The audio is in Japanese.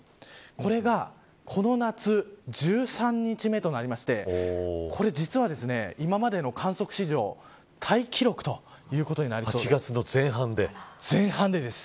これがこの夏１３日目となりましてこれ実は今までの観測史上タイ記録ということになりそうです。